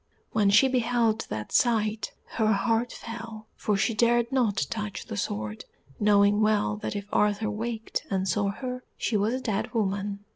When she beheld that sight, her heart fell, for she dared not touch the sword, knowing well that if Arthur waked and saw her she was a dead woman.